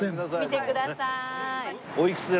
見てください。